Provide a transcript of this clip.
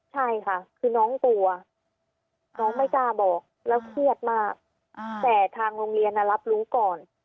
ใช่ค่ะคือน้องกลัวน้องไม่กล้าบอกแล้วเครียดมากแต่ทางโรงเรียนรับรู้ก่อน